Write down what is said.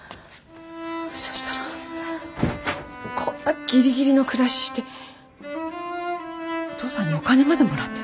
そしたらこんなギリギリの暮らししてお父さんにお金までもらってる。